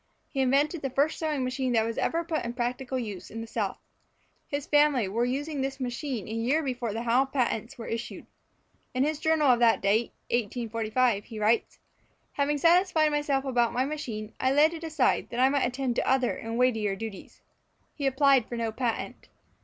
He invented the first sewing machine that was ever put in practical use in the South. His family were using this machine a year before the Howe patents were issued. In his journal of that date (1845) he writes: "Having satisfied myself about my machine, I laid it aside that I might attend to other and weightier duties." He applied for no patent.